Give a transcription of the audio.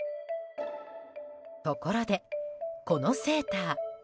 ところで、このセーター。